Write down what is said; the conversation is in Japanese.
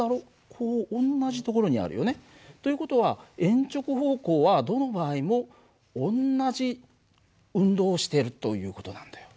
こう同じところにあるよね。という事は鉛直方向はどの場合も同じ運動をしているという事なんだよ。